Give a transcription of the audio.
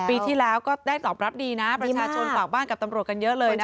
ปีที่แล้วก็ได้ตอบรับดีนะประชาชนฝากบ้านกับตำรวจกันเยอะเลยนะ